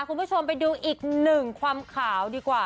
คุณผู้ชมไปดูอีกหนึ่งความขาวดีกว่า